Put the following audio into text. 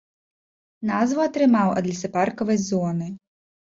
Назву атрымаў ад лесапаркавай зоны.